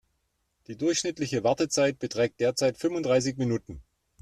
Die durchschnittliche Wartezeit beträgt derzeit fünfunddreißig Minuten.